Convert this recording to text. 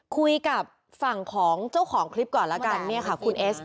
คุยกับฝั่งของเจ้าของคลิปก่อนละกันคุณเอส